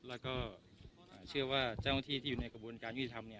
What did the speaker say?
แล้วก็เชื่อว่าเจ้าหน้าที่ที่อยู่ในกระบวนการยุติธรรม